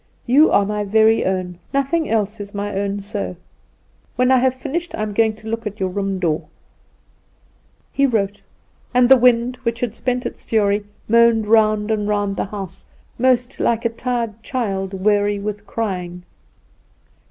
You are my very own; nothing else is my own so. When I have finished I am going to look at your room door " He wrote; and the wind, which had spent its fury, moaned round and round the house, most like a tired child weary with crying.